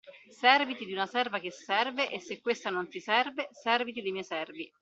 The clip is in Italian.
Serviti di una serva che serve, e se questa non ti serve, serviti dei miei servi.